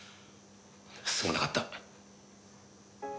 すまなかった。